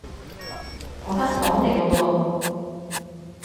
我間房嚟㗎喎